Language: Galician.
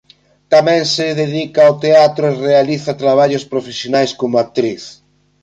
Tamén se dedica ao teatro e realiza traballos profesionais como actriz.